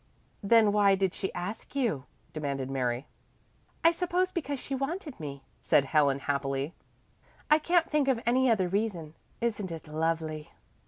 "Then why did she ask you?" demanded Mary. "I suppose because she wanted me," said Helen happily. "I can't think of any other reason. Isn't it lovely?"